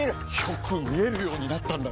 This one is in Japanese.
よく見えるようになったんだね！